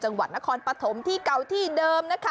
จังหวัดนครปฐมที่เก่าที่เดิมนะคะ